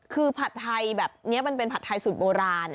คือผัดไทยแบบนี้มันเป็นผัดไทยสูตรโบราณ